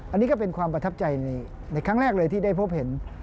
อันนี้ก็เป็นความประทับใจในครั้งแรกเลยที่ได้พบเห็น